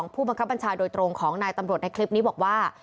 ผู้บังคับบัญชาโดยตรงของนายตำรวจในคลิปนี้บอกว่า